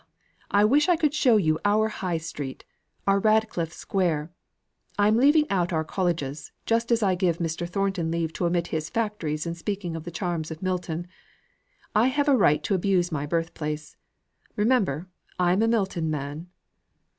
I wish I could show you our High Street our Radcliffe Square. I am leaving out our colleges, just as I give Mr. Thornton leave to omit his factories in speaking of the charms of Milton. I have a right to abuse my birth place. Remember I am a Milton man."